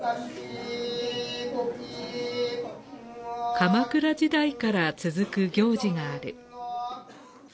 鎌倉時代から続く行事がある。